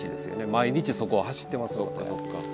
毎日そこを走ってますので。